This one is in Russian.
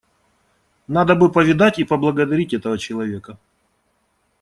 Надо бы повидать и поблагодарить этого человека.